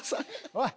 おい！